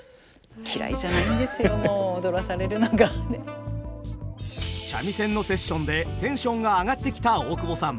あっ三味線のセッションでテンションが上がってきた大久保さん。